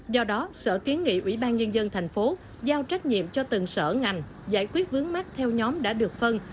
do đó sở kiến nghị ủy ban nhân dân thành phố giao trách nhiệm cho từng sở ngành giải quyết vướng mắt theo nhóm đã được phân